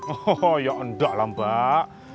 oh ya enggak lah mbak